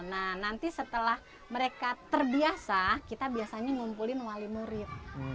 nah nanti setelah mereka terbiasa kita biasanya ngumpulin wali murid